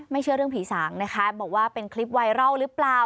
เชื่อเรื่องผีสางนะคะบอกว่าเป็นคลิปไวรัลหรือเปล่า